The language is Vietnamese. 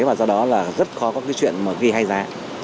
và do đó là rất khó có cái chuyện mà ghi hay giá